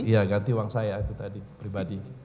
iya ganti uang saya itu tadi pribadi